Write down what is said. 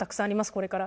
これから。